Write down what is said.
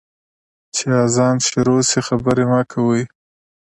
چي اذان شروع سي، خبري مه کوئ.